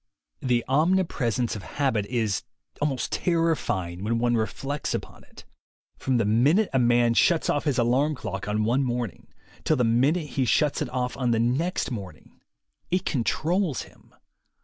The omnipresence of habit is almost terrifying when one reflects upon it. From the minute a man shuts off his alarm clock on one morning, till the minute he shuts it off on the next morning, it controls him.